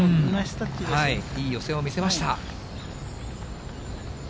いい寄せを見せました。